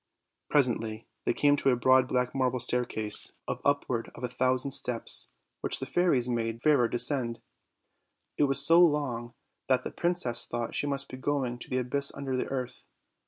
Presently the.y can.? to a broad black marble staircase OLD, OLD FAIRY TALES. 89 of upward of a thousand steps, which the fairies made Fairer descend* it was so long that the princess thought she must be going to the abysses under the earth.